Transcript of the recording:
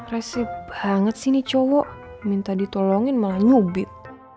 resip banget sih ini cowo minta ditolongin malah nyubit